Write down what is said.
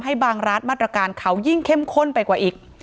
บางร้านมาตรการเขายิ่งเข้มข้นไปกว่าอีก